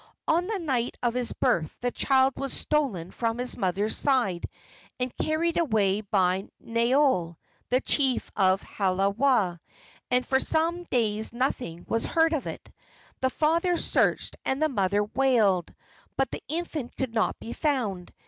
On the night of its birth the child was stolen from its mother's side and carried away by Naeole, the chief of Halawa, and for some days nothing was heard of it. The father searched and the mother wailed, but the infant could not be found.